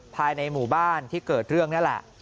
ภายในหมู่บ้านที่เกิดเรื่องนี่แหละ